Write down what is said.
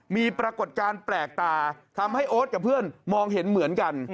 มีปรากฏการณ์แปลกตาทำให้โอ๊ตกับเพื่อนมองเห็นเหมือนกัน